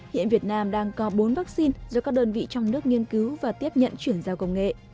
hiện việt nam đang có bốn vaccine do các đơn vị trong nước nghiên cứu và tiếp nhận chuyển giao công nghệ